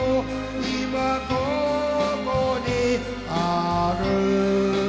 「今ここにある」